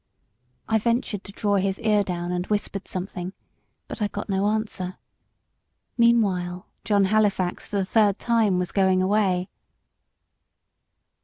I ventured to draw his ear down and whispered something but I got no answer; meanwhile, John Halifax for the third time was going away.